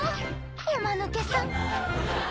おマヌケさんはぁ！